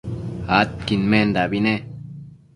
adquidmendabi ne